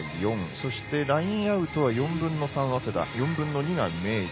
そして、ラインアウトは４分の３、早稲田４分の２が明治。